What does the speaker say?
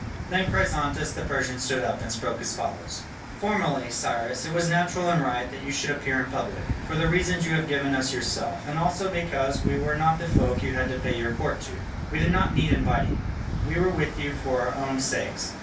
Then Chrysantas the Persian stood up and spoke as follows: "Formerly, Cyrus, it was natural and right that you should appear in public, for the reasons you have given us yourself, and also because we were not the folk you had to pay your court to. We did not need inviting: we were with you for our own sakes.